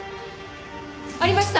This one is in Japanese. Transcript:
ありました！